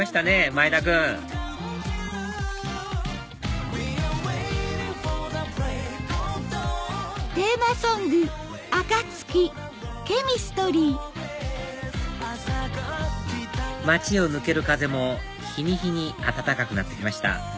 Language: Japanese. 前田君街を抜ける風も日に日に暖かくなってきました